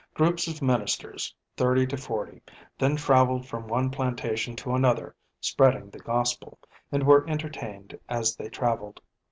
Groups of ministers 30 to 40 then traveled from one plantation to another spreading the gospel, and were entertained as they traveled.